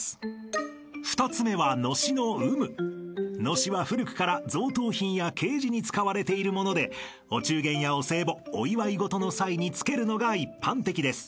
［のしは古くから贈答品や慶事に使われているものでお中元やお歳暮お祝い事の際につけるのが一般的です］